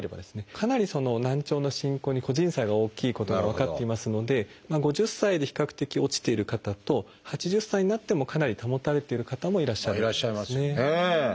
かなり難聴の進行に個人差が大きいことが分かっていますので５０歳で比較的落ちている方と８０歳になってもかなり保たれている方もいらっしゃるということですね。